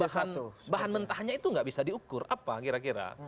kemasan bahan mentahnya itu nggak bisa diukur apa kira kira